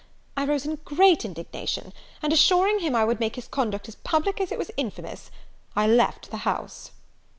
I rose in great indignation; and assuring him I would make his conduct as public as it was infamous I left the house."